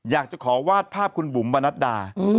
อยากจะขอวาดภาพคุณบุ๋มปนัดดา